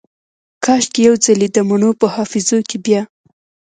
کاشکي یو ځلې دمڼو په حافظو کې بیا